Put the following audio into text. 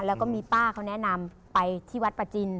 แล้วก็มีป้าเขาแนะนำไปที่วัดประจิน